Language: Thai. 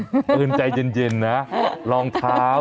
ซื้อให้มันต้องมีในกล่องไว้ล่ะ